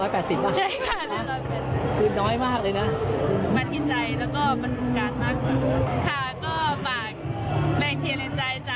มันต้องร่วมกิจกรรมใช่ไหมคะแล้วเรื่องเงินทองไม่ได้หวังไม่ได้สนใจ